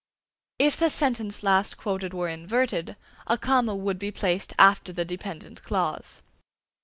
If the sentence last quoted were inverted, a comma would be placed after the dependent clause.